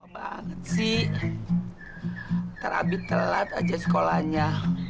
banget sih terabit telat aja sekolahnya